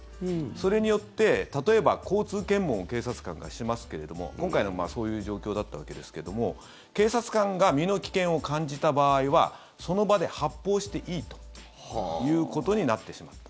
それによって、例えば交通検問を警察官がしますけれども今回のもそういう状況だったわけですけど警察官が身の危険を感じた場合はその場で発砲していいということになってしまった。